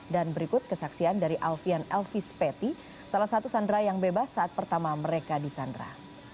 dan berikut kesaksian dari alfian elvis petty salah satu sandera yang bebas saat pertama mereka disandera